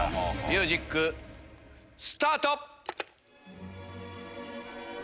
ミュージックスタート！